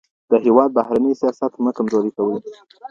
د هيواد بهرنی سياست مه کمزوری کوئ.